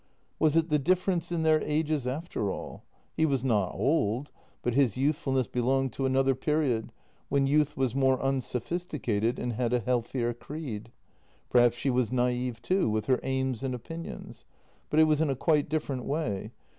Was it the difference in their ages after all? He was not old, but his youthfulness belonged to another period, when youth was more unsophisticated and had a healthier creed. Perhaps she was naive too — with her aims and opinions — but it was in a quite different way.